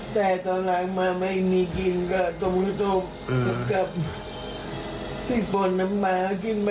ค่าดอกเดี๋ยวป้าจ่ายให้เป็นค่าแรง